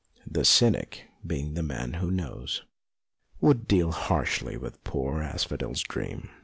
The cynic, being the man who knows, would deal harshly with poor Aspho del's dream.